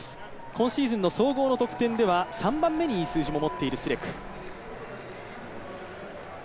今シーズンの総合の得点では、３番目にいい数字を持っているスレク。